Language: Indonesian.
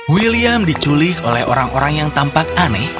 william diculik oleh orang orang yang tampak aneh